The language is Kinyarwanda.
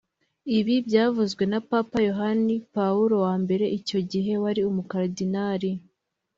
Ibi byavuzwe na Papa Yohani Pawulo wa mbere icyo gihe wari umukaridinali